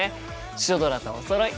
シュドラとおそろい！